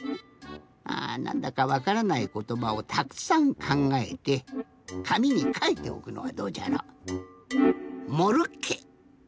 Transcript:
あなんだかわからないことばをたくさんかんがえてかみにかいておくのはどうじゃろ。